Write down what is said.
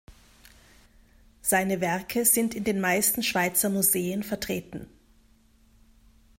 Seine Werke sind in den meisten Schweizer Museen vertreten.